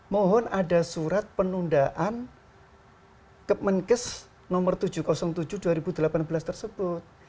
mohon ada surat penundaan kemenkes nomor tujuh ratus tujuh dua ribu delapan belas tersebut